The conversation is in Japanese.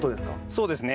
そうですね。